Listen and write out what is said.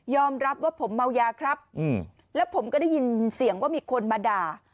รับว่าผมเมายาครับแล้วผมก็ได้ยินเสียงว่ามีคนมาด่า